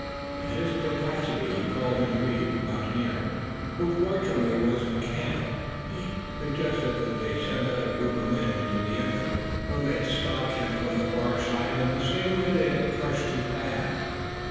In his perplexity he called in Reed, the mountaineer, who fortunately was in camp, and he suggested that they send out a group of men through the entrance, who might stalk him from the far side in the same way that they had crushed his band.